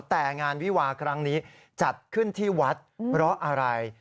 แต่งานวิวาครั้งนี้จัดขึ้นที่วัดเพราะอะไร